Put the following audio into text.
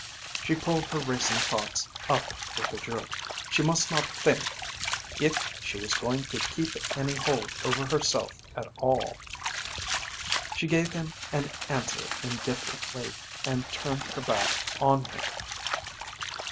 She pulled her racing thoughts up with a jerk. She must not think if she was going to keep any hold over herself at all. She gave him an answer indifferently and turned her back on him.